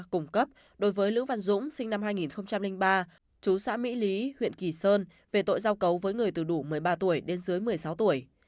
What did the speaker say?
cùng cấp đối với lữ văn dũng sinh năm hai nghìn ba chú xã mỹ lý huyện kỳ sơn về tội giao cấu với người từ đủ một mươi ba tuổi đến dưới một mươi sáu tuổi